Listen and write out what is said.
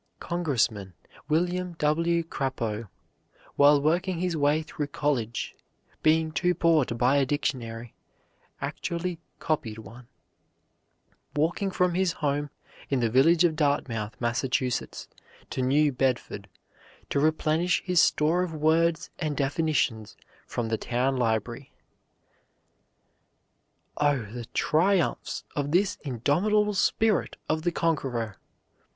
Congressman William W. Crapo, while working his way through college, being too poor to buy a dictionary, actually copied one, walking from his home in the village of Dartmouth, Mass., to New Bedford to replenish his store of words and definitions from the town library. Oh, the triumphs of this indomitable spirit of the conqueror!